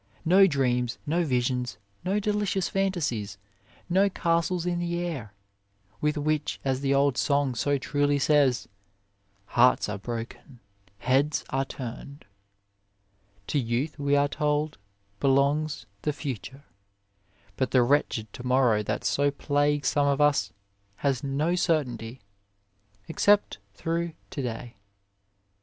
No dreams, no visions, no delicious fantasies, no castles in the air, with which, as the old song so truly says, "hearts are broken, heads are turned." To youth, we are told, belongs the future, but the wretched to morrow that so plagues some of us has no 29 A WAY certainty, except through to day.